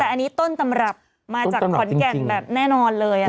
แต่อันนี้ต้นตำรับมาจากขอนแก่นแบบแน่นอนเลย